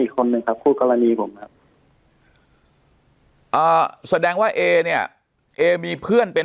คนหนึ่งครับคู่กรณีผมครับอ่าแสดงว่าเอเนี่ยเอมีเพื่อนเป็น